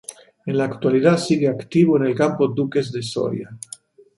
En la actualidad sigue activo en el Campus Duques de Soria.